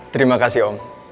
terima kasih om